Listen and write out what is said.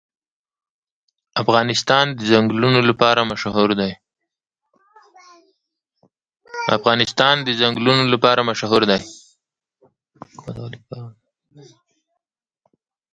افغانستان د ځنګلونه لپاره مشهور دی.